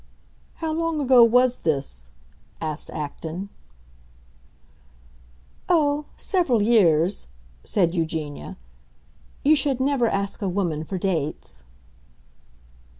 "How long ago was this?" asked Acton. "Oh—several years," said Eugenia. "You should never ask a woman for dates."